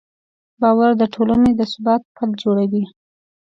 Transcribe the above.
باور د ټولنې د ثبات پل جوړوي.